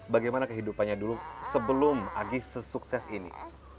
bagaimana kehidupannya dulu sebelum agis sesukses ini